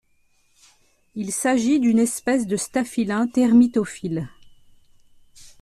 Il s'agit d'une espèce de staphylins termitophiles.